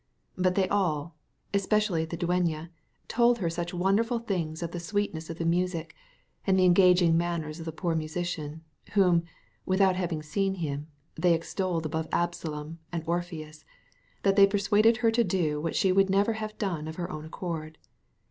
But they all, especially the dueña, told her such wonderful things of the sweetness of the music, and the engaging manners of the poor musician, whom, without having seen him, they extolled above Absalom and Orpheus, that they persuaded her to do what she would never have done of her own accord.